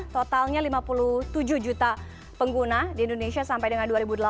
totalnya lima puluh tujuh juta pengguna di indonesia sampai dengan dua ribu delapan belas